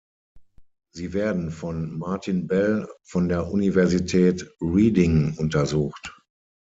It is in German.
Sie werden von Martin Bell von der Universität Reading untersucht.